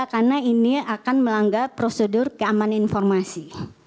karena ini akan melanggar prosedur keamanan informasi